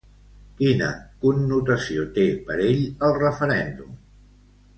Quina connotació té, per ell, el referèndum?